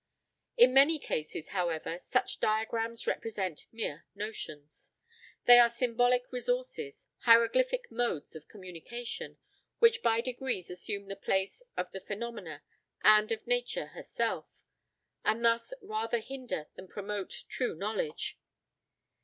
In many cases, however, such diagrams represent mere notions; they are symbolical resources, hieroglyphic modes of communication, which by degrees assume the place of the phenomena and of Nature herself, and thus rather hinder than promote true knowledge.